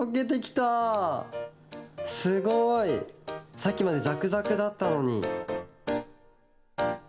さっきまでザクザクだったのに。